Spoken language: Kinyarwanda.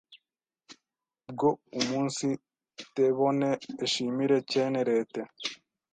bwo umunsitebone eshimire cyene Lete